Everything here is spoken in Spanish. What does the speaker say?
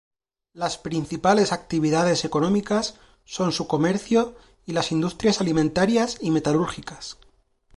Las principales actividades económicas son su comercio y las industrias alimentarias y metalúrgicas.